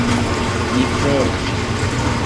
Ni provu!